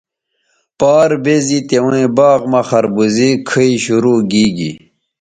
پار بیزی تیوں باغ مہ خربوزے کھئ شروع گیگے